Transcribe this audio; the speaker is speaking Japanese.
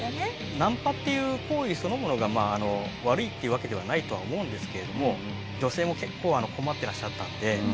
ナンパっていう行為そのものが悪いっていうわけではないとは思うんですけれども女性も結構困ってらっしゃったんで。